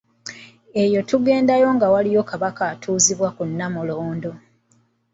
Eyo tugendayo nga waliwo Kabaka atuuzibwa ku Nnamulondo.